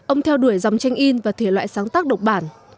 ông theo đuổi dòng tranh in và thể loại sáng tác độc bản